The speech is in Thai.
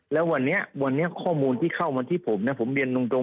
แล้ววันนี้วันนี้ข้อมูลที่เข้ามาที่ผมนะผมเรียนตรง